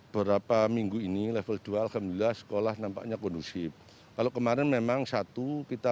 beberapa minggu ini level dua alhamdulillah sekolah nampaknya kondusif kalau kemarin memang satu kita